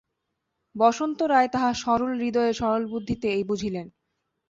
বসন্ত রায় তাঁহার সরল হৃদয়ে সরল বুদ্ধিতে এই বুঝিলেন।